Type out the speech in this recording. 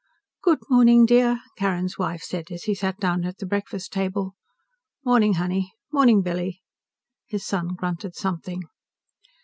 "Good morning, dear," Carrin's wife said as he sat down at the breakfast table. "Morning, honey. Morning, Billy." His son grunted something.